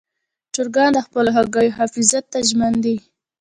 چرګان د خپلو هګیو حفاظت ته ژمن دي.